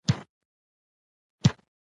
پېښور د مقبوضه پښتونخوا لوی ښار دی.